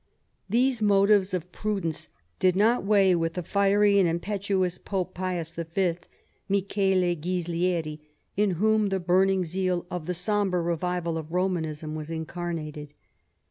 These motives of prudence did not weigh with the fiery and impetuous Pope Pius V., Michele Ghislieri, in whom the burning zeal of the sombre revival of Romanism was incarnated.